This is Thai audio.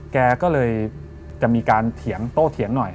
แกก็เลยจะมีการเถียงโตเถียงหน่อย